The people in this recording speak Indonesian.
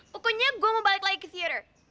pokoknya gua mau balik lagi ke teater